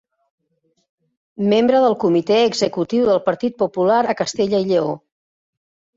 Membre del Comitè Executiu del Partit Popular a Castella i Lleó.